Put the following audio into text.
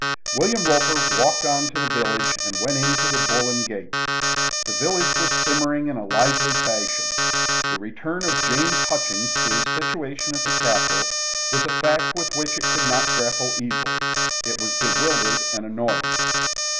William Roper walked on to the village and went into the "Bull and Gate." The village was simmering in a very lively fashion. The return of James Hutchings to his situation at the Castle was a fact with which it could not grapple easily. It was bewildered and annoyed.